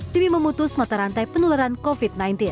demi memutus mata rantai penularan covid sembilan belas